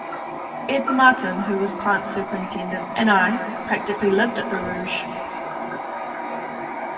"Ed Martin, who was plant superintendent, and I practically lived at the Rouge".